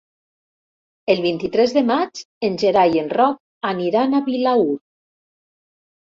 El vint-i-tres de maig en Gerai i en Roc aniran a Vilaür.